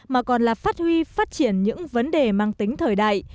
mà còn là phát huy phát triển những vấn đề mang tính thời đại